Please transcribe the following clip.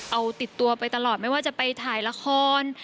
เอาติดตัวไปตลอดไม่ว่าจะไปถ่ายละคร